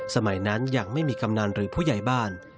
สมัยนั้นยังไม่มีกำนันหรือผู้ใหญ่บ้าน